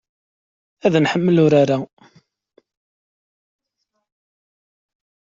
Ad nḥemmel urar-a.